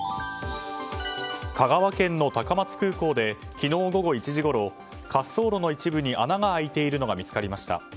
香川県の高松空港で昨日午後１時ごろ滑走路の一部に穴が開いているのが見つかりました。